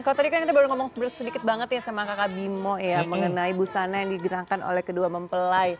kalau tadi kan kita baru ngomong sedikit banget ya sama kakak bimo ya mengenai busana yang digerakkan oleh kedua mempelai